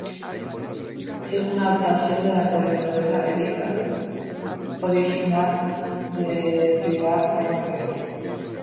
Es una adaptación de la telenovela "Elizabeth" original de Pilar Romero.